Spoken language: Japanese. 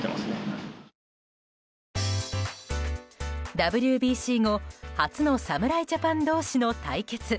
ＷＢＣ後初の侍ジャパン同士の対決。